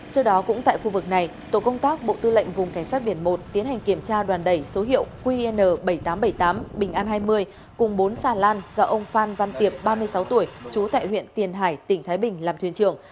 trước đó cũng tại khu vực này tổ công tác bộ tư lệnh vùng cảnh sát biển một tiến hành kiểm tra đoàn đẩy số hiệu qn bảy nghìn tám trăm bảy mươi tám bình an hai mươi cùng bốn xà lan do ông phan văn tiệp ba mươi sáu tuổi trú tại huyện tiền hải tỉnh thái bình làm thuyền trưởng